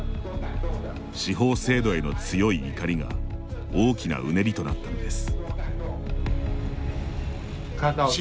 司法制度への強い怒りが大きなうねりとなったのです。